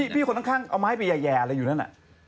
คนข้างเอาไม้ไปแย่อะไรอยู่นั่นน่ะ